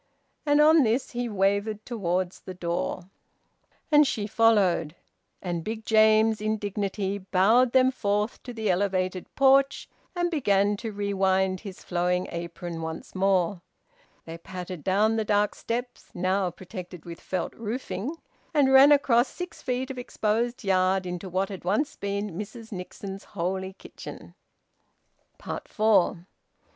And on this he wavered towards the door, and she followed, and Big James in dignity bowed them forth to the elevated porch, and began to rewind his flowing apron once more. They pattered down the dark steps (now protected with felt roofing) and ran across six feet of exposed yard into what had once been Mrs Nixon's holy kitchen. FOUR.